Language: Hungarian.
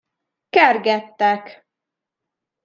Kergettek!